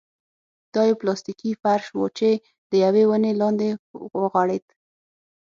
دا يو پلاستيکي فرش و چې د يوې ونې لاندې وغوړېد.